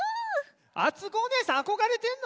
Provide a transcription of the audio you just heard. あつこおねえさんあこがれてんの？